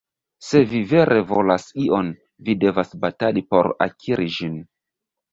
Se vi vere volas ion, vi devas batali por akiri ĝin.